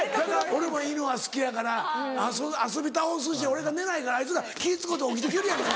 俺も犬は好きやから遊び倒すし俺が寝ないからあいつら気使うて起きて来よるやんか。